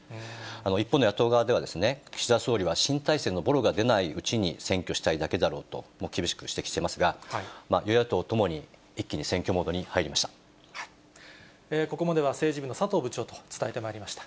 一方の野党側では、岸田総理は新体制のぼろが出ないうちに選挙したいだけだろうと、厳しく指摘していますが、与野党ともに、ここまでは政治部の佐藤部長と伝えてまいりました。